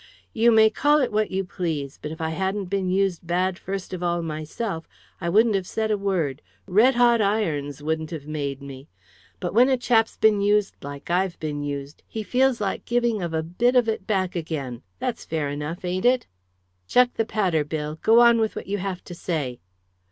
"You may call it what you please, but if I hadn't been used bad first of all myself, I wouldn't have said a word; red hot irons wouldn't have made me. But when a chap's been used like I've been used, he feels like giving of a bit of it back again; that's fair enough, ain't it?" "Chuck the patter, Bill. Go on with what you have to say."